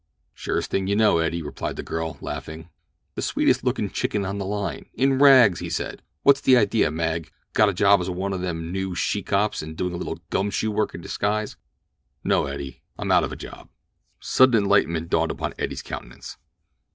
"Surest thing you know, Eddie," replied the girl, laughing. "The swellest lookin' chicken on the line—in rags!" he said. "What's the idea, Mag? Got a job as one of them new she cops and doin' a little gum shoe work in disguise?" "No, Eddie; I'm out of a job." Sudden enlightenment dawned upon Eddie's countenance.